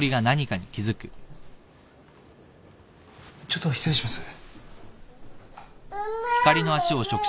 ちょっと失礼します。